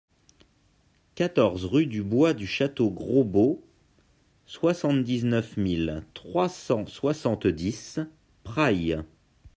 quatorze rue du Bois du Château Gros Bo, soixante-dix-neuf mille trois cent soixante-dix Prailles